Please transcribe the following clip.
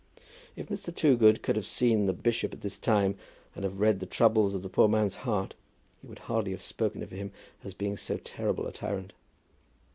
If Mr. Toogood could have seen the bishop at this time and have read the troubles of the poor man's heart, he would hardly have spoken of him as being so terrible a tyrant.